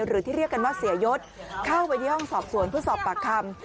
หรือที่เรียกกันว่าเสียยศเข้าไปที่ห้องสอบสวนเพื่อสอบปากคำ